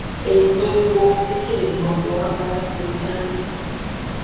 Ennyingo tekkirizibwa kuwangaala ku ntandikwa.